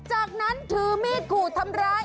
จากนั้นถือมีดขู่ทำร้าย